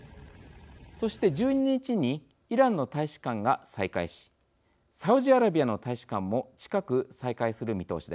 そして１２日にイランの大使館が再開しサウジアラビアの大使館も近く再開する見通しです。